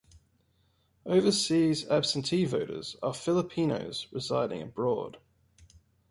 Overseas absentee voters are Filipinos residing abroad.